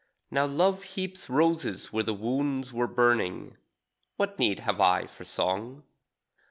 Now love heaps roses where the wounds were burning; What need have I for song?